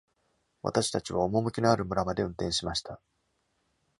私たちは趣のある村まで運転しました。